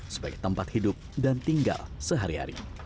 sebagai tempat hidup dan tinggal sehari hari